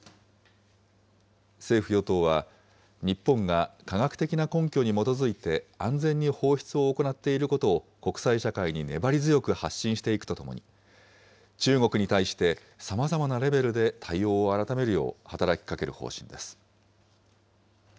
政府・与党は、日本が科学的な根拠に基づいて安全に放出を行っていることを、国際社会に粘り強く発信していくとともに、中国に対して、さまざまなレベルで対応を改めるよう働きかける方針です。